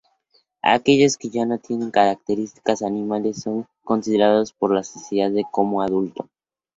Aquellos que ya no tienen características animales son considerados por la sociedad como "adultos".